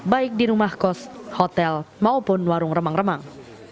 baik di rumah kos hotel maupun warung remang remang